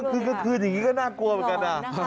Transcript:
คือกลางคืนอย่างนี้ก็น่ากลัวเหมือนกัน